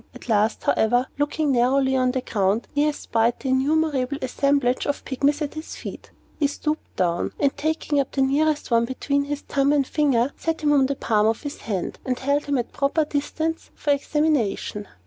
At last, however, looking narrowly on the ground, he espied the innumerable assemblage of Pygmies at his feet. He stooped down, and taking up the nearest one between his thumb and finger, set him on the palm of his left hand, and held him at a proper distance for examination.